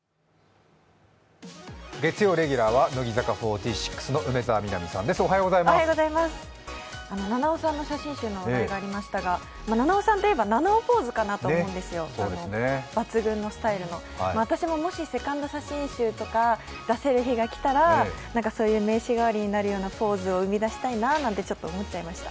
ドラマの撮影で多忙を極める松本さん、心安まる瞬間が菜々緒さんの写真集の話題がありましたが菜々緒さんといえば菜々緒ポーズかなと思うんですよ、抜群のスタイルの私も、もしセカンド写真集とか出せる日が来たら、名刺代わりになれるようなポーズを生み出したいななんてちょっと思っちゃいました。